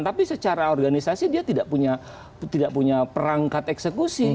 tapi secara organisasi dia tidak punya perangkat eksekusi